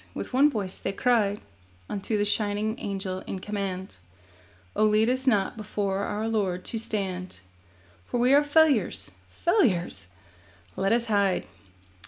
With one voice they cried Unto the shining Angel in command: 'Oh, lead us not before our Lord to stand, For we are failures, failures! Let us hide.